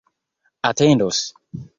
atendos